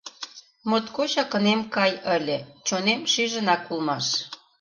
Моткочак ынем кай ыле, чонем шижынак улмаш.